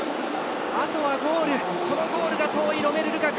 あとはゴール、そのゴールが遠いロメル・ルカク。